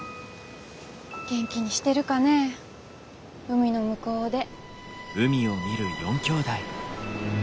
元気にしてるかねぇ海の向こうで。